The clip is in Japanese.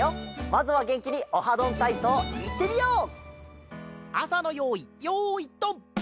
まずはげんきに「オハどんたいそう」いってみよう！